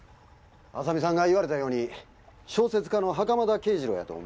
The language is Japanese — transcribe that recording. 浅見さんが言われたように小説家の袴田啓二郎やと思われます。